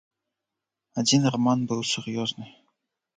Адзін раман быў сур'ёзны.